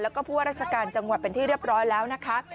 แล้วก็ผู้ว่าราชการจังหวัดเป็นที่เรียบร้อยแล้วนะคะ